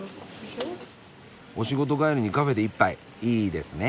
お仕事帰りにカフェで１杯いいですね。